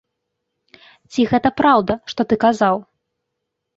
Ці гэта праўда, што ты казаў?